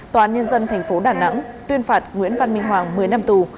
tòa án nhân dân thành phố đà nẵng tuyên phạt nguyễn văn minh hoàng một mươi năm tù